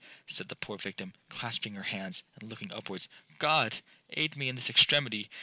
said the poor victim, clasping her hands, and looking upwards, 'God, aid me in this extremity!'